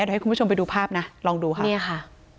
เดี๋ยวให้คุณผู้ชมไปดูภาพนะลองดูค่ะเนี่ยค่ะ